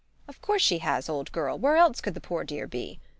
"Of course she has, old girl where else could the poor dear be?"